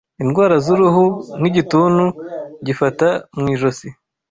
indwara z’uruhu nk’igituntu gifata mu ijosi,